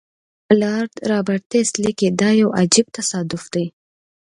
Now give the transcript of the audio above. لارډ رابرټس لیکي دا یو عجیب تصادف دی.